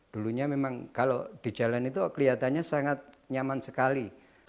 dulunya memang kalau di jalan itu kelihatannya sangat nyaman sekali